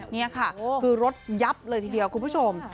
นี่ค่ะคือรถยับเลยทีเดียวคุณผู้ชม